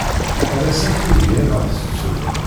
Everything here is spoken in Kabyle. Ar ass-a tugi ad aɣ-tettu.